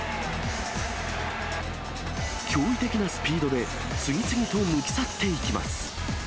驚異的なスピードで、次々と抜き去っていきます。